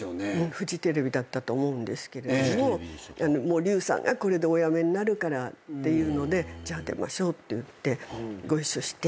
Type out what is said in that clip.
フジテレビだったと思うんですけれどももう笠さんがこれでお辞めになるからっていうのでじゃあ出ましょうって言ってご一緒して。